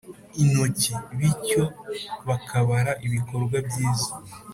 intoki, bityo bakabara ibikorwa byiza